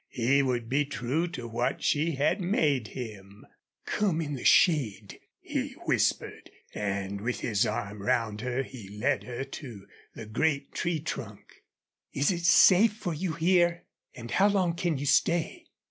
He would be true to what she had made him. "Come in the shade," he whispered, and with his arm round her he led her to the great tree trunk. "Is it safe for you here? An' how long can you stay?"